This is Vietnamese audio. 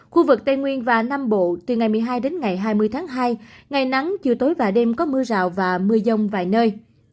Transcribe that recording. khu vực tây nguyên và nam bộ từ ngày một mươi hai đến ngày hai mươi tháng hai ngày nắng chiều tối và đêm có mưa rào và mưa dông vài nơi